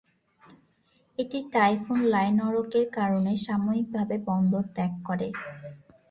এটি টাইফুন লায়নরকের কারণে সাময়িকভাবে বন্দর ত্যাগ করে।